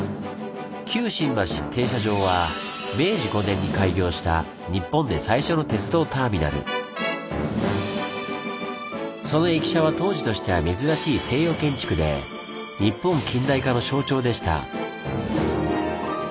旧新橋停車場は明治５年に開業したその駅舎は当時としては珍しい西洋建築で日本近代化の象徴でした。